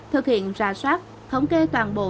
thực hiện ra soát thống kê toàn bộ